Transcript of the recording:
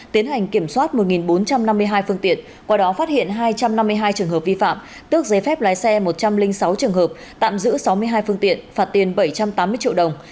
tiến hành kiểm soát một bốn trăm năm mươi hai phương tiện qua đó phát hiện hai trăm năm mươi hai trường hợp vi phạm tước giấy phép lái xe một trăm linh sáu trường hợp tạm giữ sáu mươi hai phương tiện phạt tiền bảy trăm tám mươi triệu đồng